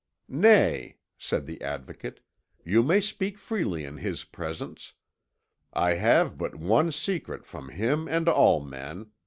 "Nay," said the Advocate, "you may speak freely in his presence. I have but one secret from him and all men.